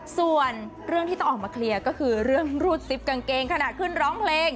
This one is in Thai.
ส่วนเรื่องที่ต้องออกมาเคลียร์ก็คือเรื่องรูดซิปกางเกงขณะขึ้นร้องเพลง